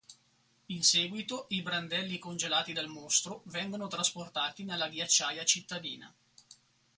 In seguito i brandelli congelati del mostro vengono trasportati nella ghiacciaia cittadina.